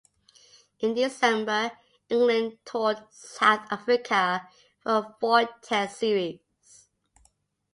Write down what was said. In December, England toured South Africa for a four-Test series.